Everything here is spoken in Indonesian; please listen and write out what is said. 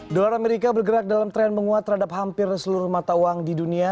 dolar amerika bergerak dalam tren menguat terhadap hampir seluruh mata uang di dunia